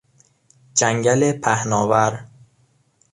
جنگل پهناور